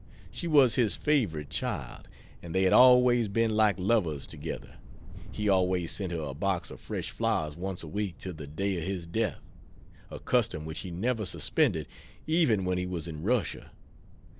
She was his favorite child, and they had always been like lovers together. He always sent her a box of fresh flowers once a week to the day of his death; a custom which he never suspended even when he was in Russia.